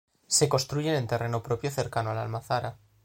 Se construyen en terreno propio cercano a la almazara.